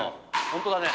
本当だね。